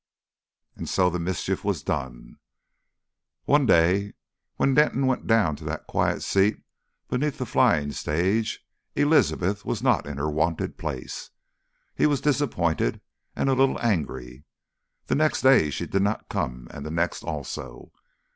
And so the mischief was done. One day, when Denton went down to that quiet seat beneath the flying stage, Elizabeth was not in her wonted place. He was disappointed, and a little angry. The next day she did not come, and the next also.